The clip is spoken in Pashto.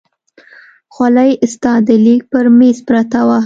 خولۍ ستا د لیک پر مېز پرته وه.